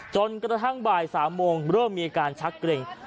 จนกระทั่งบ่าย๓โมงเริ่มมีอาการชักเกร็ง